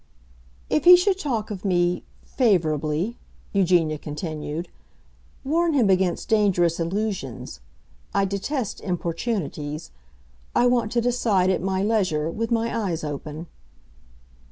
"If he should talk of me—favorably," Eugenia continued, "warn him against dangerous illusions. I detest importunities; I want to decide at my leisure, with my eyes open."